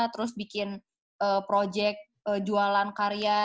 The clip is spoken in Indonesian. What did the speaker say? terus bikin proyek jualan karya